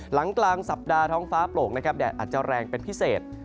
หลังกลางสัปดาห์ท้องฟ้าโปร่งนะครับแดดอาจจะแรงเป็นพิเศษ